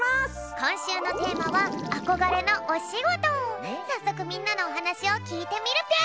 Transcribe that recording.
こんしゅうのテーマはさっそくみんなのおはなしをきいてみるぴょん！